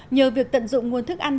nhờ việc tận dụng nguồn thức ăn